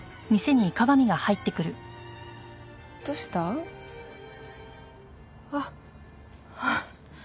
どうした？あっ。